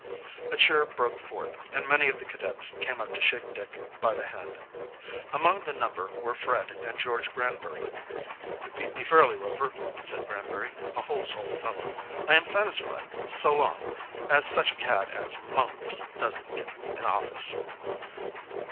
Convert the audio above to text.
A cheer broke forth, and many of the cadets came up to shake Dick by the hand. Among the number were Fred and George Granbury. "You beat me fairly, Rover," said Granbury, a whole souled fellow. "I am satisfied so long as such a cad as Mumps doesn't get an office."